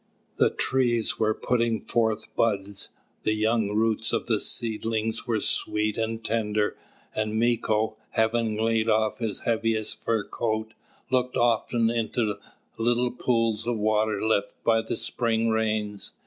The trees were putting forth buds, the young roots of the seedlings were sweet and tender, and Mīko, having laid off his heaviest fur coat, looked often in little pools of water left by the spring rains.